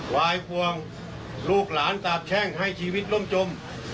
วายพวงลูกหลานสาบแช่งให้ชีวิตล่มจม